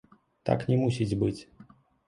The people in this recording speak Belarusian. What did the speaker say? Так не мусіць быць.